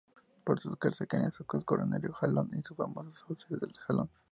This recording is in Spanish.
Por sus cercanías transcurren el río Jalón y sus famosas Hoces del Jalón.